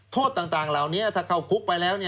โทษต่างเหล่านี้ถ้าเข้าคุกไปแล้ว